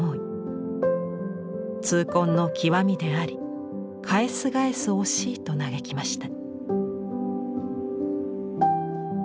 「痛恨の極みであり返す返す惜しい」と嘆きました。